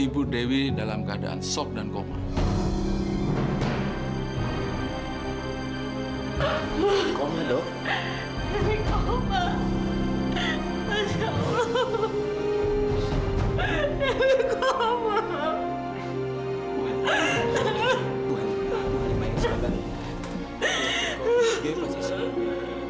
nggak ada dewi